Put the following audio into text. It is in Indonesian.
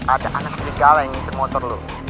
ada anak serigala yang ngincer motor lu